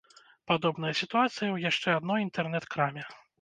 Падобная сітуацыя ў яшчэ адной інтэрнэт-краме.